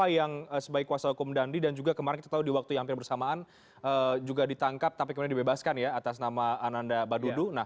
yang sebagai kuasa hukum dandi dan juga kemarin kita tahu di waktu yang hampir bersamaan juga ditangkap tapi kemudian dibebaskan ya atas nama ananda badudu